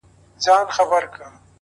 زه به دا توري سترګي چیري بدلومه؛